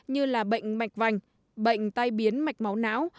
như là bệnh mạch vành bệnh tai biến mạch máu não